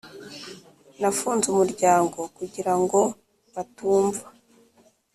nafunze umuryango kugirango batumva.